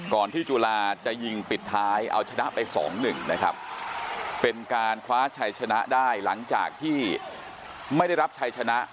ที่จุฬาจะยิงปิดท้ายเอาชนะไปสองหนึ่งนะครับเป็นการคว้าชัยชนะได้หลังจากที่ไม่ได้รับชัยชนะ